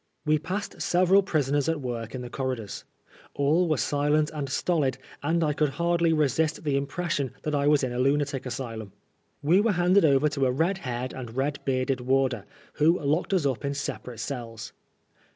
We passed several prisoners at work in the corridors. All were silent and stolid, and I could hardly resist the impres sion that I was in a lunatic asylum; We were handed over to a red haired and red bearded warder, who locked us up in separate cells.